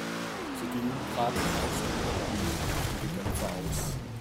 Zudem traten aus den Batterien giftige Dämpfe aus.